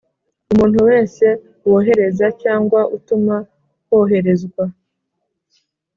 Umuntu wese wohereza cyangwa utuma hoherezwa